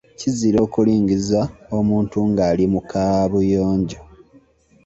Kizira okulingiza omuntu ng'ali mu kaabuyojo.